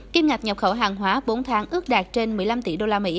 kim ngạch nhập khẩu hàng hóa bốn tháng ước đạt trên một mươi năm tỷ usd